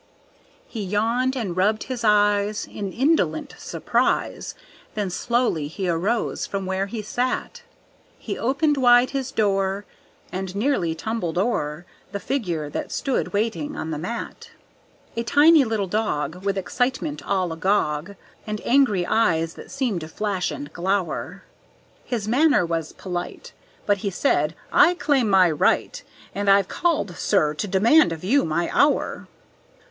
He yawned and rubbed his eyes In indolent surprise, Then slowly he arose from where he sat; He opened wide his door, And nearly tumbled o'er The figure that stood waiting on the mat. A tiny little dog, With excitement all agog, And angry eyes that seemed to flash and glower. His manner was polite, But he said, "I claim my right! And I've called, sir, to demand of you my hour."